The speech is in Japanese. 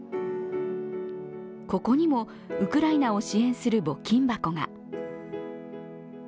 ここにもウクライナを支援する募金箱が。